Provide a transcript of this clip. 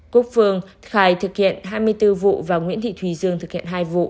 quốc phương khai thực hiện hai mươi bốn vụ và nguyễn thị thùy dương thực hiện hai vụ